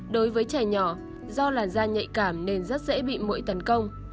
đối với trẻ nhỏ do làn da nhạy cảm nên rất dễ bị mũi tấn công